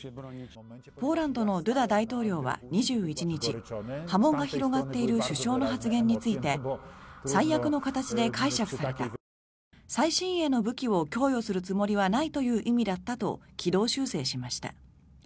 ポーランドのドゥダ大統領は２１日波紋が広がっている首相の発言について最悪の形で解釈された最新鋭の武器を供与するつもりはないという意味だったと軌道修正しました。